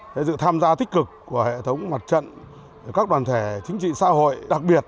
cái sự tham gia tích cực của hệ thống mặt trận các đoàn thể chính trị xã hội đặc biệt